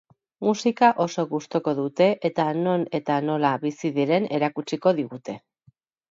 Musika oso gustoko dute eta non eta nola bizi diren erakutsiko digute.